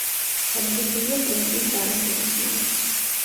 გადაღებულია კვენტინ ტარანტინოს მიერ.